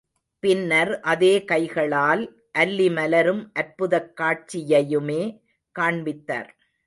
பின்னர் அதே கைகளால் அல்லி மலரும் அற்புதக் காட்சியையுமே காண்பித்தார்.